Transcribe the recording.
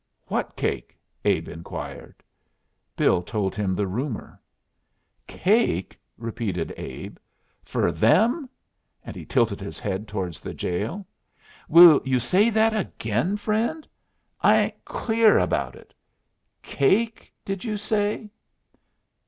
"What cake?" Abe inquired. Bill told him the rumor. "Cake?" repeated Abe. "Fer them?" and he tilted his head towards the jail. "Will you say that again, friend? I ain't clear about it. Cake, did ye say?"